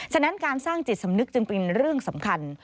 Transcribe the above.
ฉะนั้นการสร้างจิตสำนึกจึงเป็นเรื่องสำคัญ